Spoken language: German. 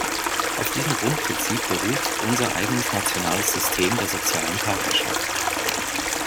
Auf diesem Grundprinzip beruht unser eigenes nationales System der sozialen Partnerschaft.